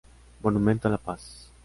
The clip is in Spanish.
Monumento a la Paz.